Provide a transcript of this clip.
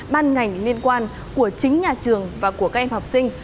ban ngành liên quan của chính nhà trường và của các em học sinh